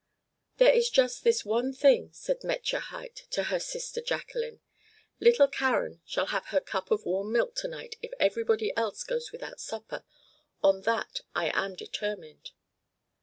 "There is just this one thing," said Metje Huyt to her sister Jacqueline. "Little Karen shall have her cup of warm milk to night if everybody else goes without supper; on that I am determined."